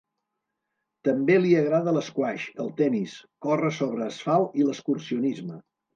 També li agrada l'esquaix, el tennis, córrer sobre asfalt i l'excursionisme.